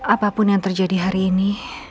apapun yang terjadi hari ini